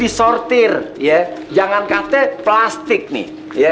nyangsnap estender nissa kita lebih jauh untuk ke pasang temen inshuman ini fuerte kemungkinan harus